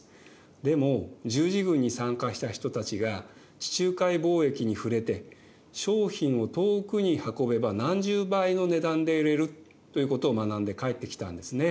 でも十字軍に参加した人たちが地中海貿易に触れて「商品を遠くに運べば何十倍の値段で売れる」ということを学んで帰ってきたんですね。